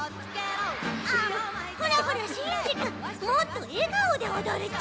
ほらほらシンジくん！もっとえがおでおどるち。